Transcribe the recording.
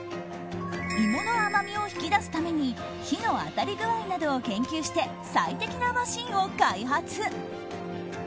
芋の甘みを引き出すために火の当たり具合などを研究して最適なマシンを開発。